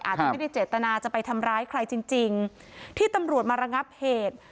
ที่ไม่ได้เจตนาจะไปทำร้ายใครจริงจริงที่ตำรวจมาระงับเหตุ